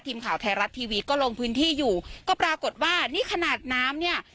ทีมข่าวไทยรัฐทีวีก็ลงพื้นที่อยู่ก็ปรากฏว่านี่ขนาดน้ำเนี่ย